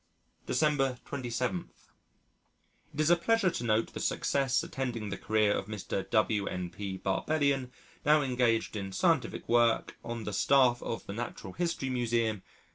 December 27. "It is a pleasure to note the success attending the career of Mr. W.N.P. Barbellion now engaged in scientific work on the staff of the Natural History Museum